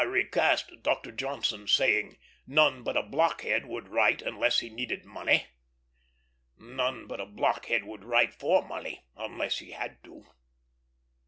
I recast Dr. Johnson's saying: "None but a blockhead would write unless he needed money." None but a blockhead would write for money, unless he had to.